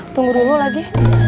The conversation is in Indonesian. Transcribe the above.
tunggu dulu lagi